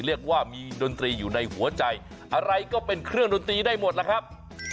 เรียกว่ามีดนตรีอยู่ในหัวใจอะไรก็เป็นเครื่องดนตรีได้หมดล่ะครับ